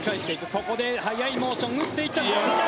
ここで速いモーション打っていった富永